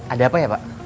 ada apa ya pak